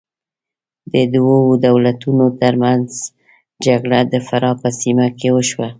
د دوو دولتونو تر منځ جګړه د فراه په سیمه کې وشوه.